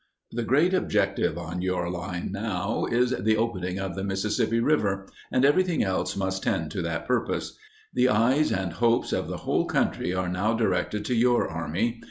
] The great objective on your line now is the opening of the Mississippi River, and everything else must tend to that purpose. The eyes and hopes of the whole country are now directed to your army.